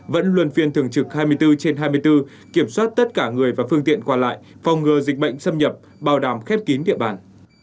vẫn luôn phiên thường trực hai mươi bốn trên hai mươi bốn kiểm soát tất cả người và phương tiện qua lại phòng ngừa dịch bệnh xâm nhập bảo đảm khép kín địa bàn